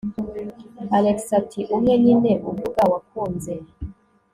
alex ati umwe nyine uvuga wakunze